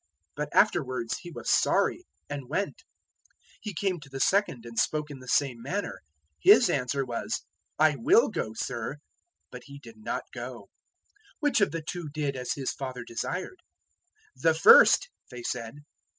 "But afterwards he was sorry, and went. 021:030 He came to the second and spoke in the same manner. His answer was, "`I will go, Sir.' "But he did not go. 021:031 Which of the two did as his father desired?" "The first," they said.